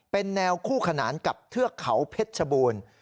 เป็นแนวคู่ขนานกับเทือกเขาเพชรชบูรณ์